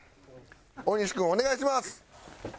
大西君お願いします。